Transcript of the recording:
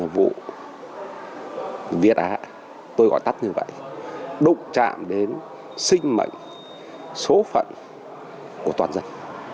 vụ việt á tôi gọi tắt như vậy đụng chạm đến sinh mệnh số phận của toàn dân